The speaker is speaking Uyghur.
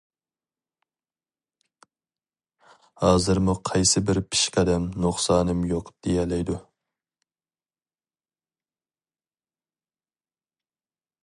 ھازىرمۇ قايسىبىر پېشقەدەم نۇقسانىم يوق دېيەلەيدۇ؟ !